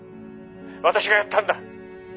私がやったんだ」